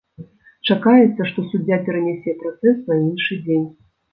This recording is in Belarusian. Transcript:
Чакаецца, што суддзя перанясе працэс на іншы дзень.